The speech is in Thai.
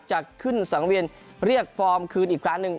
จะขึ้นสังเวียนเรียกฟอร์มคืนอีกครั้งหนึ่ง